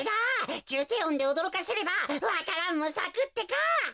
じゅうていおんでおどろかせればわか蘭もさくってか。